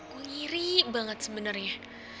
gue ngiri banget sebenernya